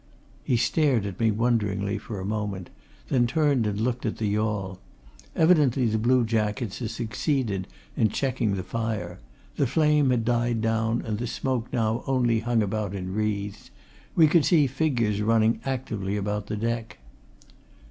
He stared at me wonderingly for a moment; then turned and looked at the yawl. Evidently the blue jackets had succeeded in checking the fire; the flame had died down, and the smoke now only hung about in wreaths; we could see figures running actively about the deck.